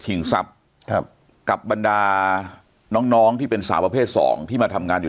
ทรัพย์ครับกับบรรดาน้องน้องที่เป็นสาวประเภทสองที่มาทำงานอยู่